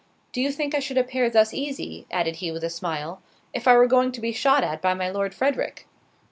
Do you think I should appear thus easy," added he with a smile, "if I were going to be shot at by my Lord Frederick?"